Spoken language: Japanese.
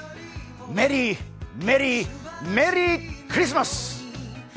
メリーメリーメリークリスマス！